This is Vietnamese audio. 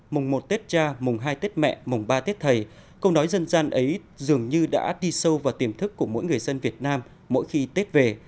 mùng một tết cha mùng hai tết mẹ mùng ba tết thầy câu nói dân gian ấy dường như đã đi sâu vào tiềm thức của mỗi người dân việt nam mỗi khi tết về